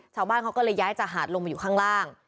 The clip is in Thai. ชาวบ้านเขาก็เลยย้ายจากหาดลงมาอยู่ข้างล่าง